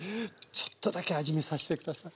ちょっとだけ味見させて下さい。